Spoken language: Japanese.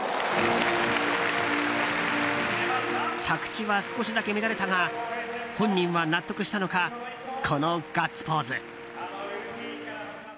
着地は少しだけ乱れたが本人は納得したのかこのガッツポーズ。